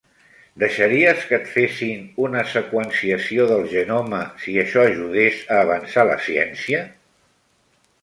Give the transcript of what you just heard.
Deixaries que et fessin una seqüenciació del genoma si això ajudés a avançar la ciència?